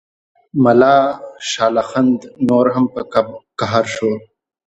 ملا شال اخند نور هم په قهر شو.